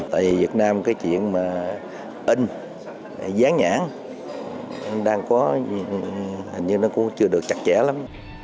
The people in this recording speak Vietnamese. tại vì việt nam cái chuyện mà in dán nhãn hình như nó cũng chưa được chặt chẽ lắm